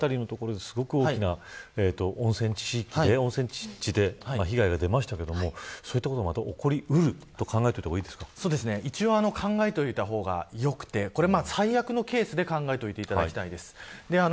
前回は静岡辺りの所ですごく大きな温泉地域で被害が出ましたけどそういったこともまた起こり得ると一応、考えておいた方がよくて最悪のケースで考えといていただきたいです。